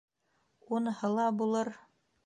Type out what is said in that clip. — Уныһы ла булыр.